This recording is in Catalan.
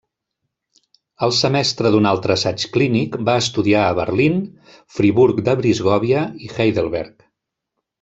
El semestre d'un altre assaig clínic va estudiar a Berlín, Friburg de Brisgòvia i Heidelberg.